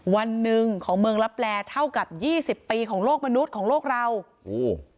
วันหนึ่งของเมืองลับแลเท่ากับยี่สิบปีของโลกมนุษย์ของโลกเราโอ้โห